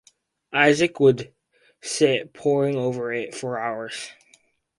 Isaac would sit poring over it for hours.